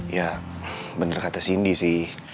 ya bener kata sindi sih